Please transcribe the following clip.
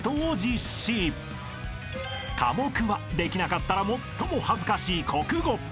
［科目はできなかったら最も恥ずかしい国語］